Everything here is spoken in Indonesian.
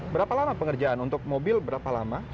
berapa lama pengerjaan untuk mobil berapa lama